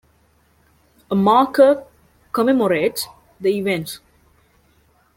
A marker commemorates the event.